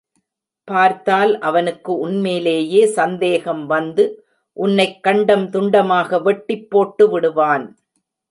பார்த்தால் அவனுக்கு உன்மேலேயே சந்தேகம் வந்து உன்னைக் கண்டம் துண்டமாக வெட்டிப் போட்டு விடுவான்.